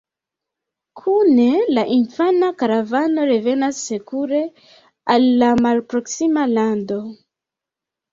Kune la infana karavano revenas sekure al la malproksima lando.